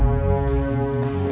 yang bisa perhatian